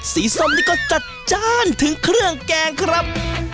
ส้มนี่ก็จัดจ้านถึงเครื่องแกงครับ